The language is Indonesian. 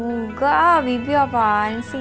nggak bibi apaan sih